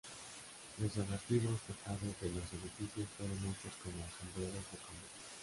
Los llamativos tejados de los edificios fueron hechos como sombreros de cowboy.